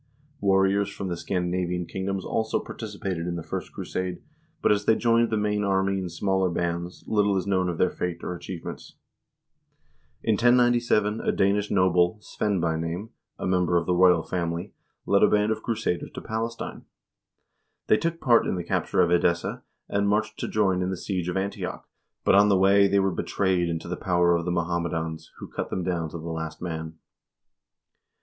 Warriors from the Scandina vian kingdoms also participated in the first crusade, but as they joined the main army in smaller bands, little is known of their fate or achievements. In 1097 a Danish noble, Svein by name, a member of the royal family, led a band of crusaders to Palestine. They took part in the capture of Edessa, and marched to join in the siege of Antioch, but on the way they were betrayed into the power of the Mohammedans, who cut them down to the last man.